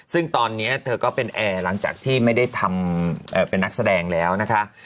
ซึ่งตอนนี้เธอก็เป็นแอร์หลังจากที่ไม่ได้ทำเป็นนักแสดงแล้วนะคะ